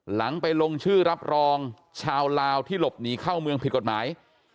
หลังไปลงชื่อรับรองชาวลาวที่หลบหนีเข้าเมืองผิดกฎหมาย